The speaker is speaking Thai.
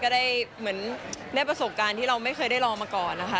ได้เหมือนได้ประสบการณ์ที่เราไม่เคยได้รอมาก่อนนะคะ